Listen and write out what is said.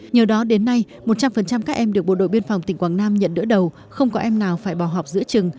nhờ đó đến nay một trăm linh các em được bộ đội biên phòng tỉnh quảng nam nhận đỡ đầu không có em nào phải bỏ học giữa trường